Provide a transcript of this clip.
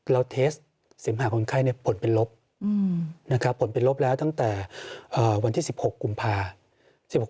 เทสสิมหาคนไข้ผลเป็นลบนะครับผลเป็นลบแล้วตั้งแต่วันที่๑๖กุมภา